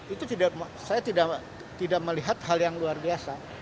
itu saya tidak melihat hal yang luar biasa